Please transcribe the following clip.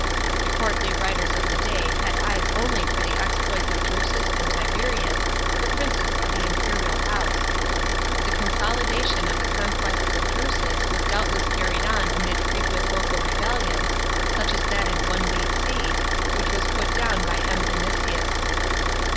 The courtly writers of tlv* day had eyes only for the exploits of D'usus and Tiberius, the princes of the imperial house. The c<>n>nliriati<>n of the conquests of Drusus was doubtless carried on amid frequent local rebellions, such as that in 1 B.C., * 6 A.D. TIBERIUS IN GERMANY. 131 which was put down by M. Vinicius.